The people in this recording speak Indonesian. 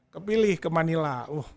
kepilih ke manila